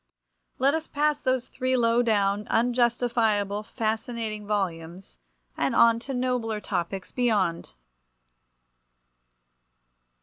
Let us pass those three low down, unjustifiable, fascinating volumes, and on to nobler topics beyond!